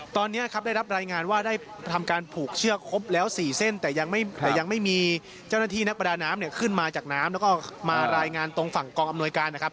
ตอนนี้ครับได้รับรายงานว่าได้ทำการผูกเชือกครบแล้ว๔เส้นแต่ยังไม่แต่ยังไม่มีเจ้าหน้าที่นักประดาน้ำเนี่ยขึ้นมาจากน้ำแล้วก็มารายงานตรงฝั่งกองอำนวยการนะครับ